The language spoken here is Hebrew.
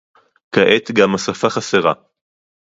כעת גם השפה חסרה.